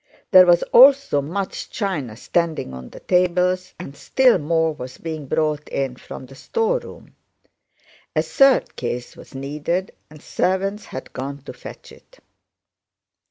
There was also much china standing on the tables, and still more was being brought in from the storeroom. A third case was needed and servants had gone to fetch it.